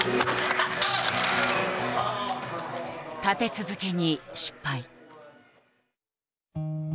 立て続けに失敗。